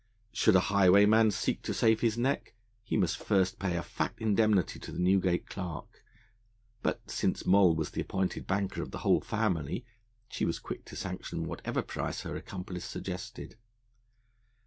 Should a highwayman seek to save his neck, he must first pay a fat indemnity to the Newgate Clerk, but, since Moll was the appointed banker of the whole family, she was quick to sanction whatever price her accomplice suggested.